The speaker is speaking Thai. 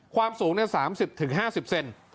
ความสูงเนี่ย๓๐๕๐เซน